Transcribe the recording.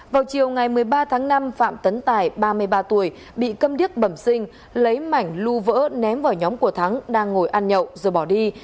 vào chiều ngày một mươi ba tháng năm phạm tấn tài ba mươi ba tuổi bị cầm điếc bẩm sinh lấy mảnh lưu vỡ ném vào nhóm của thắng đang ngồi ăn nhậu rồi bỏ đi